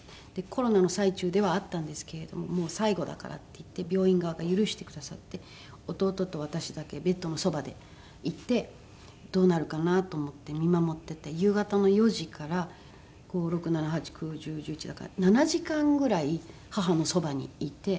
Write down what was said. コロナの最中ではあったんですけれどももう最期だからっていって病院側が許してくださって弟と私だけベッドのそばでいてどうなるかなと思って見守ってて夕方の４時から５６７８９１０１１だから７時間ぐらい母のそばにいて。